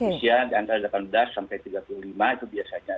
usia di antara delapan belas sampai tiga puluh lima itu biasanya